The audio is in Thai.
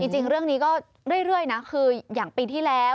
จริงเรื่องนี้ก็เรื่อยนะคืออย่างปีที่แล้ว